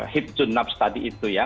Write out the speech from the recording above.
hidjun nafs tadi itu ya